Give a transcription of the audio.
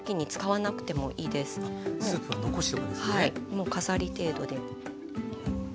もう飾り程度で。